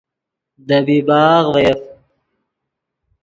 دے بیباغ ڤے یف